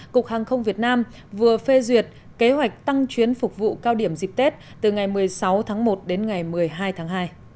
cục hàng không việt nam vừa phê duyệt kế hoạch tăng chuyến phục vụ cao điểm dịp tết từ ngày một mươi sáu tháng một đến ngày một mươi hai tháng hai